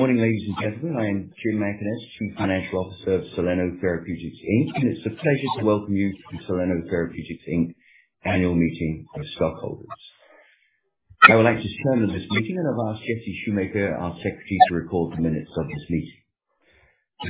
Good morning, ladies and gentlemen. I am Jim Mackaness, Chief Financial Officer of Soleno Therapeutics Inc., and it's a pleasure to welcome you to Soleno Therapeutics Inc. Annual Meeting of Stockholders. I would like to call this meeting to order and have asked Jesse Schumaker, our secretary, to record the minutes of this meeting.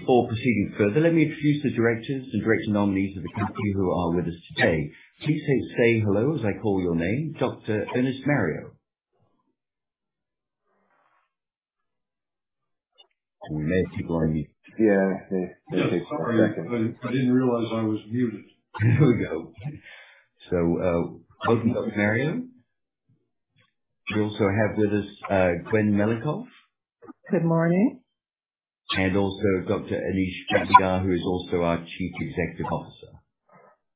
Before proceeding further, let me introduce the directors and director nominees of the company who are with us today. Please say hello as I call your name. Dr. Ernest Mario. Yeah. Sorry. I didn't realize I was muted. There we go. So, welcome Dr. Mario. We also have with us, Gwen Melincoff. Good morning. Also Dr. Anish Bhatnagar, who is also our Chief Executive Officer.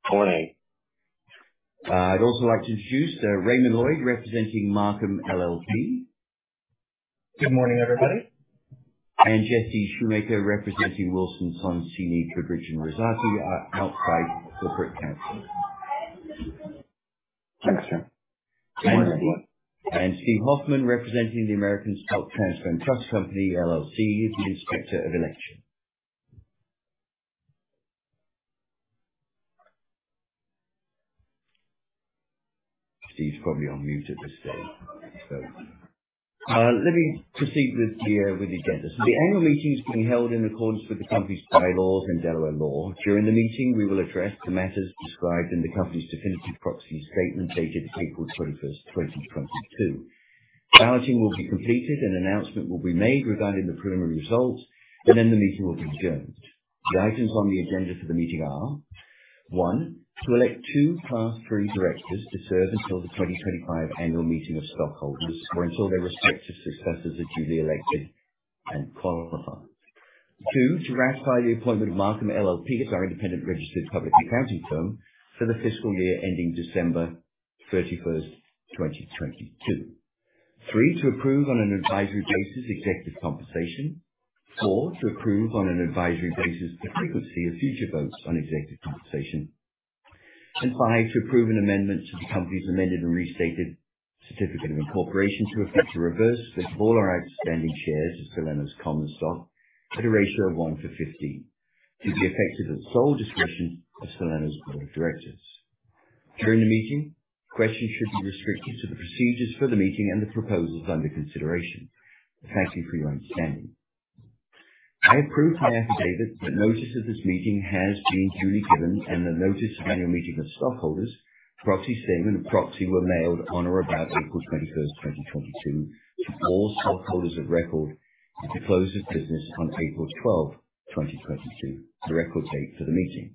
Good morning. I'd also like to introduce Raymond Lloyd, representing Marcum LLP. Good morning, everybody. Jesse Schumaker, representing Wilson Sonsini Goodrich & Rosati, our outside corporate counsel. Thanks, Jim. Steve Hoffman, representing the American Stock Transfer & Trust Company, LLC, the inspector of election. Steve's probably on mute at this stage. Let me proceed with the agenda. The annual meeting is being held in accordance with the company's bylaws and Delaware law. During the meeting, we will address the matters described in the company's definitive proxy statement dated April 21, 2022. Balloting will be completed and announcement will be made regarding the preliminary results, and then the meeting will be adjourned. The items on the agenda for the meeting are, 1, to elect 2 class III directors to serve until the 2025 annual meeting of stockholders or until their respective successors are duly elected and qualified. 2, to ratify the appointment of Marcum LLP as our independent registered public accounting firm for the fiscal year ending December 31, 2022. 3, to approve on an advisory basis executive compensation. 4, to approve on an advisory basis the frequency of future votes on executive compensation. 5, to approve an amendment to the company's amended and restated certificate of incorporation to effect a reverse split of all our outstanding shares of Soleno's common stock at a ratio of 1 to 50, to be effective at the sole discretion of Soleno's board of directors. During the meeting, questions should be restricted to the procedures for the meeting and the proposals under consideration. Thank you for your understanding. I approve my affidavit that notice of this meeting has been duly given and the notice of annual meeting of stockholders, proxy statement, and proxy were mailed on or about April 21, 2022 to all stockholders of record at the close of business on April 12, 2022, the record date for the meeting.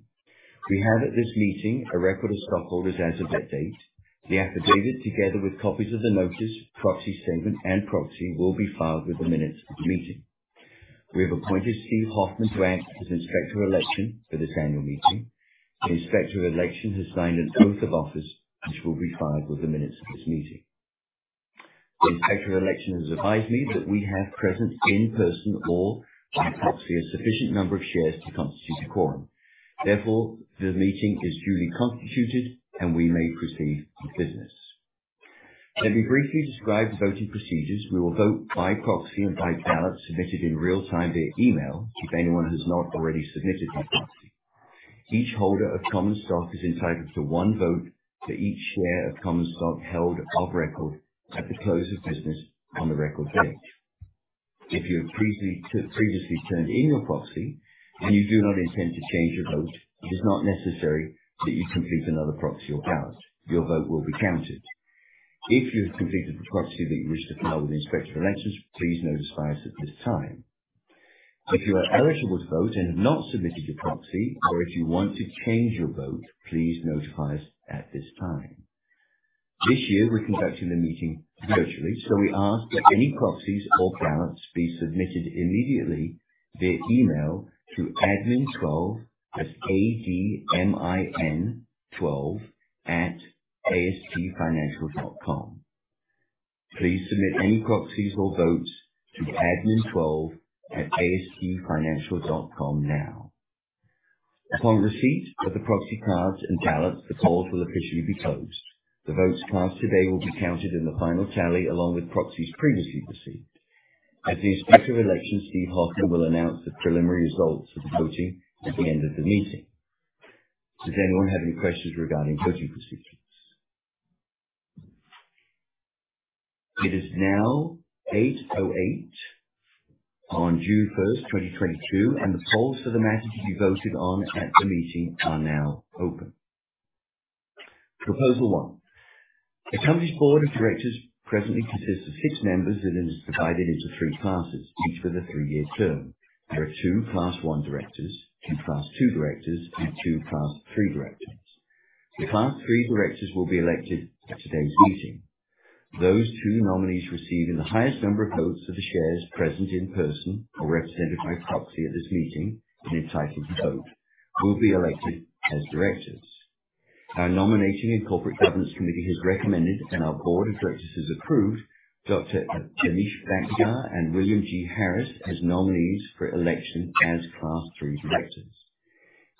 We have at this meeting a record of stockholders as of that date. The affidavit, together with copies of the notice, proxy statement, and proxy, will be filed with the minutes of the meeting. We have appointed Steve Hoffman to act as inspector of election for this annual meeting. The inspector of election has signed an oath of office, which will be filed with the minutes of this meeting. The inspector of election has advised me that we have present in person or by proxy, a sufficient number of shares to constitute a quorum. Therefore, this meeting is duly constituted, and we may proceed with business. Let me briefly describe the voting procedures. We will vote by proxy and by ballot submitted in real-time via email. If anyone has not already submitted their proxy. Each holder of common stock is entitled to one vote for each share of common stock held of record at the close of business on the record date. If you have previously turned in your proxy and you do not intend to change your vote, it is not necessary that you complete another proxy or ballot. Your vote will be counted. If you have completed the proxy that you wish to file with the inspector of elections, please notify us at this time. If you are eligible to vote and have not submitted your proxy, or if you want to change your vote, please notify us at this time. This year, we're conducting the meeting virtually, so we ask that any proxies or ballots be submitted immediately via email through admin12@astfinancial.com. Please submit any proxies or votes to admin12@astfinancial.com now. Upon receipt of the proxy cards and ballots, the polls will officially be closed. The votes cast today will be counted in the final tally, along with proxies previously received. As the inspector of elections, Steve Hoffman will announce the preliminary results of the voting at the end of the meeting. Does anyone have any questions regarding voting procedures? It is now 8:08 A.M. on June 1, 2022, and the polls for the matters to be voted on at the meeting are now open. Proposal one. The company's board of directors presently consists of six members and is divided into three classes, each with a three-year term. There are two class I directors, two class II directors, and two class III directors. The class III directors will be elected at today's meeting. Those two nominees receiving the highest number of votes of the shares present in person or represented by proxy at this meeting and entitled to vote will be elected as directors. Our nominating and corporate governance committee has recommended and our board of directors approved Dr. Anish Bhatnagar and William G. Harris as nominees for election as class III directors.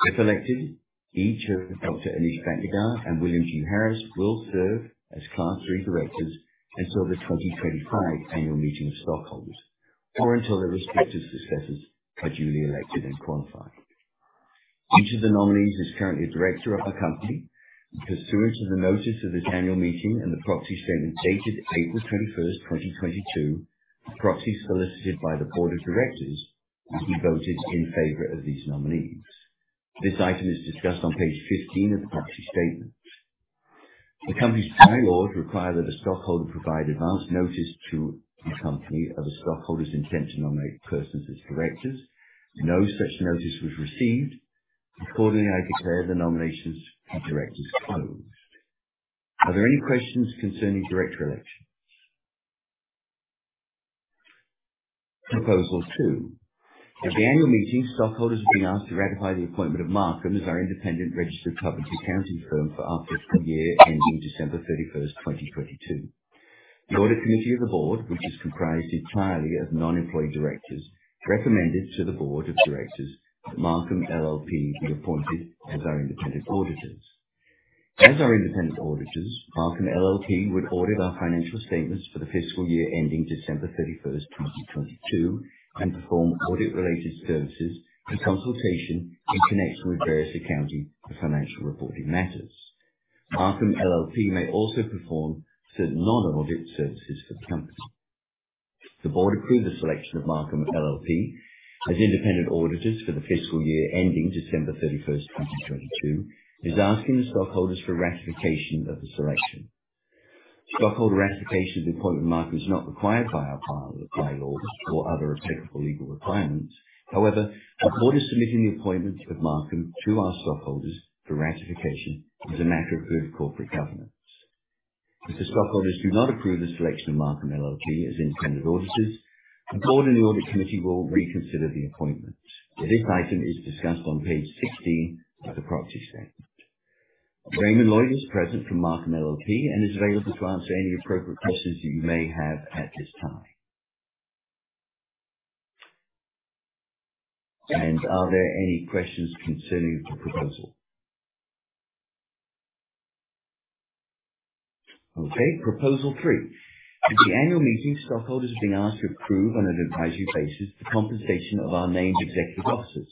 If elected, each of Dr. Anish Bhatnagar and William G. Harris will serve as class III directors until the 2025 annual meeting of stockholders or until their respective successors are duly elected and qualified. Each of the nominees is currently a director of the company. Pursuant to the notice of this annual meeting and the proxy statement dated April 21st, 2022, proxies solicited by the board of directors will be voted in favor of these nominees. This item is discussed on page 15 of the proxy statement. The company's bylaws require that a stockholder provide advance notice to the company of a stockholder's intent to nominate persons as directors. No such notice was received. Accordingly, I declare the nominations of directors closed. Are there any questions concerning director elections? Proposal 2. At the annual meeting, stockholders are being asked to ratify the appointment of Marcum as our independent registered public accounting firm for our fiscal year ending December 31st, 2022. The audit committee of the board, which is comprised entirely of non-employee directors, recommended to the board of directors that Marcum LLP be appointed as our independent auditors. As our independent auditors, Marcum LLP would audit our financial statements for the fiscal year ending December 31, 2022, and perform audit-related services and consultation in connection with various accounting or financial reporting matters. Marcum LLP may also perform certain non-audit services for the company. The board approved the selection of Marcum LLP as independent auditors for the fiscal year ending December 31, 2022, and is asking the stockholders for ratification of the selection. Stockholder ratification of the appointment of Marcum is not required by our bylaws or other applicable legal requirements. However, the board is submitting the appointment of Marcum to our stockholders for ratification as a matter of good corporate governance. If the stockholders do not approve the selection of Marcum LLP as independent auditors, the board and the audit committee will reconsider the appointment. This item is discussed on page 16 of the proxy statement. Raymond Lloyd is present from Marcum LLP and is available to answer any appropriate questions you may have at this time. Are there any questions concerning the proposal? Okay. Proposal 3. At the annual meeting, stockholders are being asked to approve on an advisory basis the compensation of our named executive officers.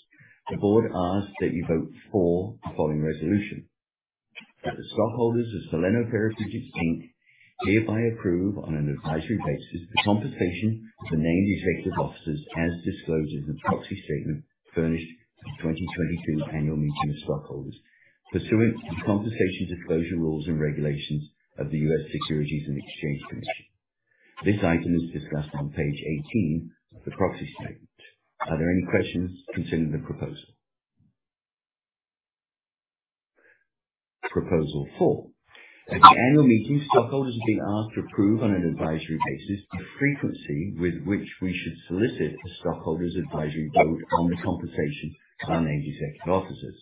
The board asks that you vote for the following resolution. That the stockholders of Soleno Therapeutics, Inc. hereby approve on an advisory basis the compensation of the named executive officers as disclosed in the proxy statement furnished at the 2022 annual meeting of stockholders pursuant to compensation disclosure rules and regulations of the U.S. Securities and Exchange Commission. This item is discussed on page 18 of the proxy statement. Are there any questions concerning the proposal? Proposal 4. At the annual meeting, stockholders are being asked to approve on an advisory basis the frequency with which we should solicit the stockholders' advisory vote on the compensation of our named executive officers,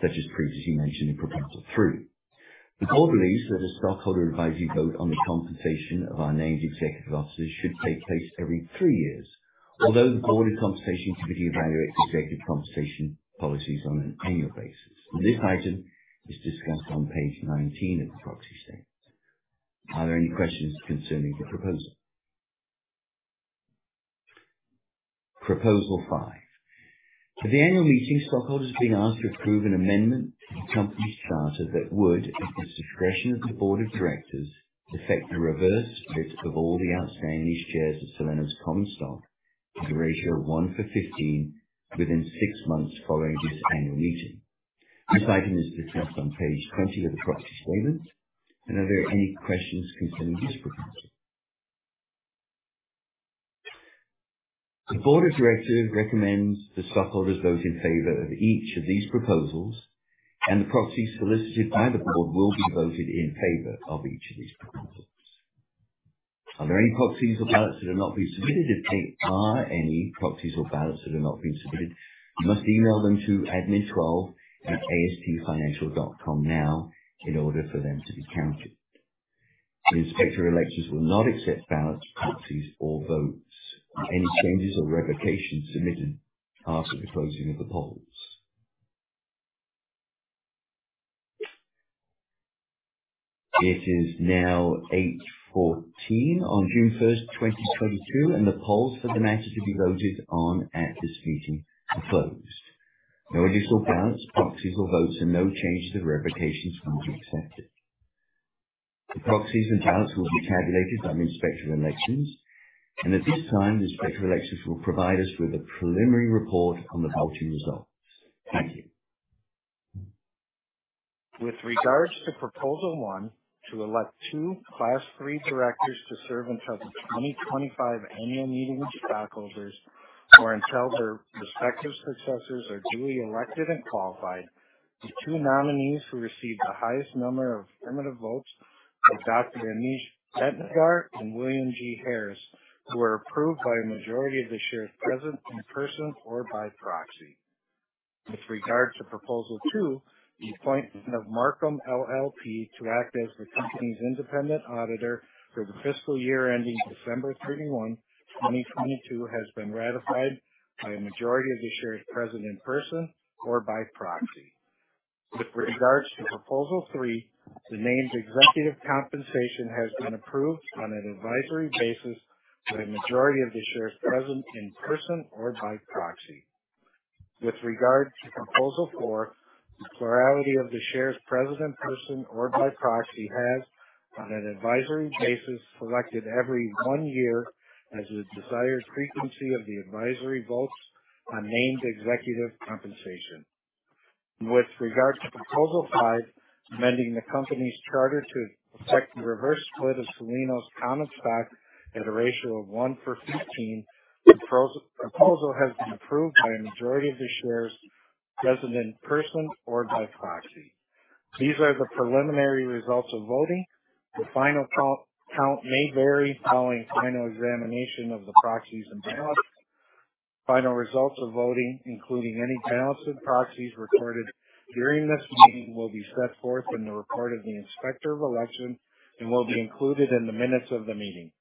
such as previously mentioned in proposal 3. The board believes that a stockholder advisory vote on the compensation of our named executive officers should take place every 3 years. Although the board and compensation committee evaluates executive compensation policies on an annual basis. This item is discussed on page 19 of the proxy statement. Are there any questions concerning the proposal? Proposal 5. At the annual meeting, stockholders are being asked to approve an amendment to the company's charter that would, at the discretion of the board of directors, effect the reverse split of all the outstanding shares of Soleno's common stock at a ratio of 1-for-15 within 6 months following this annual meeting. This item is discussed on page 20 of the proxy statement. Are there any questions concerning this proposal? The board of directors recommends the stockholders vote in favor of each of these proposals, and the proxies solicited by the board will be voted in favor of each of these proposals. Are there any proxies or ballots that have not been submitted? If there are any proxies or ballots that have not been submitted, you must email them to admin12@astfinancial.com now in order for them to be counted. The Inspector of Elections will not accept ballots, proxies or votes, any changes or revocations submitted after the closing of the polls. It is now 8:14 on June 1, 2022, and the polls for the matters to be voted on at this meeting are closed. No additional ballots, proxies or votes and no changes or revocations can be accepted. The proxies and ballots will be tabulated by the Inspector of Elections. At this time, the Inspector of Elections will provide us with a preliminary report on the voting results. Thank you. With regards to proposal one, to elect two class III directors to serve until the 2025 annual meeting of stockholders or until their respective successors are duly elected and qualified. The two nominees who received the highest number of affirmative votes are Dr. Anish Bhatnagar and William G. Harris, who are approved by a majority of the shares present in person or by proxy. With regard to proposal two, the appointment of Marcum LLP to act as the company's independent auditor for the fiscal year ending December 31, 2022, has been ratified by a majority of the shares present in person or by proxy. With regards to proposal three, the named executive compensation has been approved on an advisory basis by a majority of the shares present in person or by proxy. With regard to proposal 4, the plurality of the shares present in person or by proxy has, on an advisory basis, selected every 1 year as the desired frequency of the advisory votes on named executive compensation. With regard to proposal 5, amending the company's charter to effect the reverse split of Soleno's common stock at a ratio of 1-for-15. The proposal has been approved by a majority of the shares present in person or by proxy. These are the preliminary results of voting. The final count may vary following final examination of the proxies and ballots. Final results of voting, including any ballots and proxies recorded during this meeting, will be set forth in the report of the Inspector of Election and will be included in the minutes of the meeting.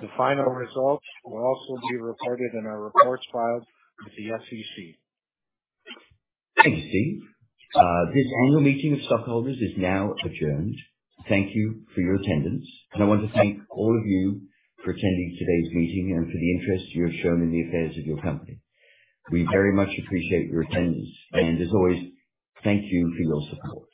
The final results will also be reported in our reports filed with the SEC. Thank you, Steve. This annual meeting of stockholders is now adjourned. Thank you for your attendance, and I want to thank all of you for attending today's meeting and for the interest you have shown in the affairs of your company. We very much appreciate your attendance. As always, thank you for your support.